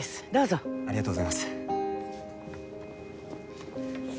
ありがとうございます。